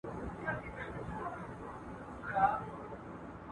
منډه د لوبغاړي لخوا وهل کېږي؟